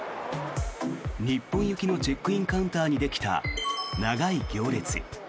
日本行きのチェックインカウンターにできた長い行列。